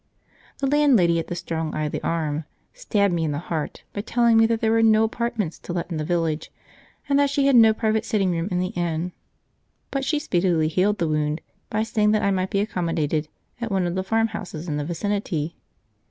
The landlady at the "Strong i' the Arm" stabbed me in the heart by telling me that there were no apartments to let in the village, and that she had no private sitting room in the inn; but she speedily healed the wound by saying that I might be accommodated at one of the farm houses in the vicinity.